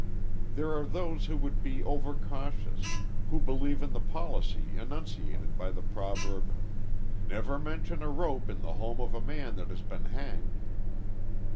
There are those who would be overcautious, who believe in the policy enunciated by the proverb: "Never mention a rope in the home of a man that has been hanged."